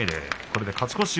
これで勝ち越し